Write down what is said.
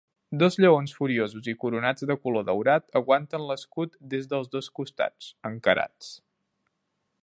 Dos lleons furiosos i coronats de color daurat aguanten l'escut des dels dos costats, encarats.